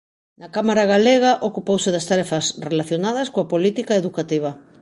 Na cámara galega ocupouse das tarefas relacionadas coa política educativa.